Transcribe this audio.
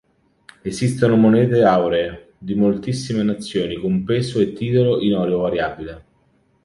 Esistono monete auree di moltissime nazioni con peso e titolo in oro variabile.